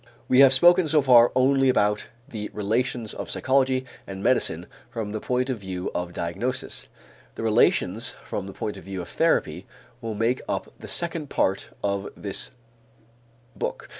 We have spoken so far only about the relations of psychology and medicine from the point of view of diagnosis; the relations from the point of view of therapy will make up the second part of this book.